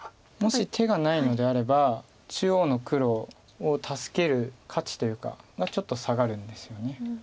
もし手がないのであれば中央の黒を助ける価値というかがちょっと下がるんですよね。